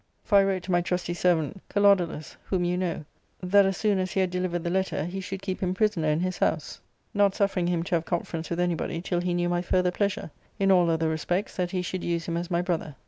For I wrote to my trusty servant Calodoulus, whom you know, that as soon as he had de livered the letter, he should keep him prisoner in his house, .96 ARCADIA. ^Book I: not suffering him to have conference with anybody till he knew my further pleasure : in all other respects that he should use him as my brother.